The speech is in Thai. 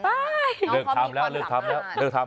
ไม่น้องเขามีความหลับมาก